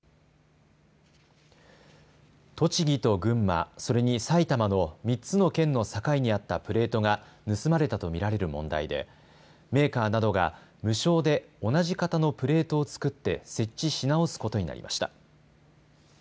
栃木と群馬、それに埼玉の３つの県の境にあったプレートが盗まれたと見られる問題でメーカーなどが無償で同じ形のプレートを造って設置し直すことになりました。